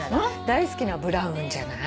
大好きなブラウンじゃない？